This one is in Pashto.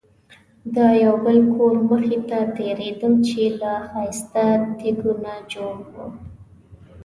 د یو بل کور مخې ته تېرېدم چې له ښایسته تیږو نه جوړ و.